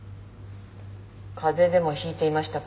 風邪でも引いていましたか？